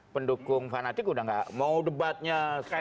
pendukung fanatik sudah tidak mau debatnya